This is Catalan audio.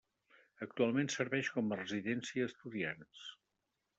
Actualment serveix com a residència d'estudiants.